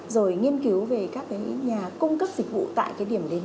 rồi nghiên cứu về các cái nhà cung cấp dịch vụ tại cái điểm đến